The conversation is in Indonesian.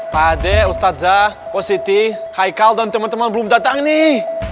pak ade ustaz zah pos siti haikal dan teman teman belum datang nih